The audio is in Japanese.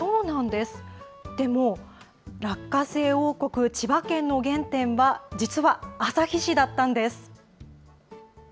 でも落花生王国、千葉県の原点は、実は旭市だったんです。